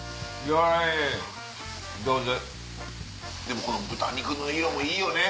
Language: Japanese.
でもこの豚肉の色もいいよね。